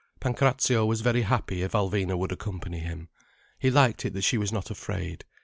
Pancrazio was very happy if Alvina would accompany him. He liked it that she was not afraid.